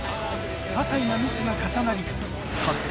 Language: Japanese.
ささいなミスが重なりたった